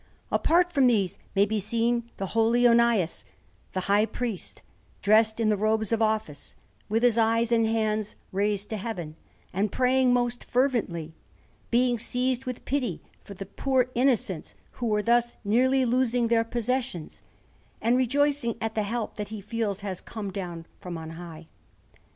Apart from these may be seen the holy Onias, the High Priest, dressed in his robes of office, with his eyes and hands raised to Heaven, and praying most fervently, being seized with pity for the poor innocents who were thus nearly losing their possessions, and rejoicing at the help that he feels has come down from on high.